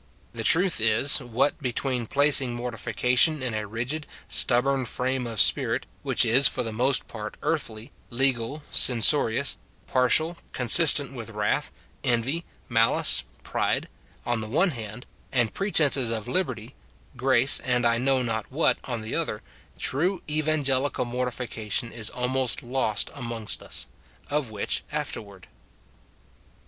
The truth is, what between placing 162 MORTIFICATION OP mortification in a rigid, stubborn frame of spirit, which is for the most part earthly, legal, censorious, partial, consistent with wrath, envy, malice, pride, on the one hand, and pretences of liberty, grace, and I knoAv not what, on the other, true evangelical mortification is almost lost amongst us : of which afterward.